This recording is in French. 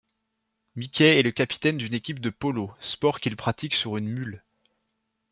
Mickey est le capitaine d'une équipe de polo, sport qu'il pratique sur une mule.